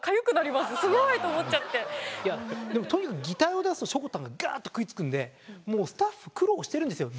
でもとにかく擬態を出すとしょこたんがガーッと食いつくんでもうスタッフ苦労してるんですよ。